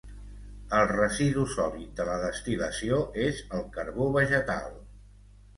El residu sòlid de la destil·lació és el carbó vegetal.